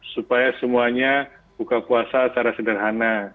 supaya semuanya buka puasa secara sederhana